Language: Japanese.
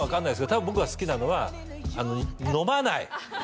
多分僕が好きなのはあの飲まない！